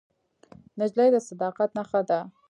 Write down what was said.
نجلۍ د صداقت نښه ده.